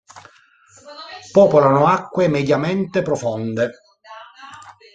Popolano acque mediamente profonde.